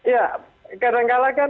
ya kadang kadang kan